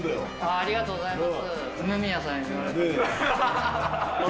ありがとうございます。